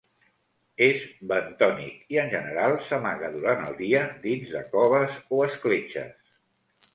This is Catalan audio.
És bentònic i, en general, s'amaga durant el dia dins de coves o escletxes.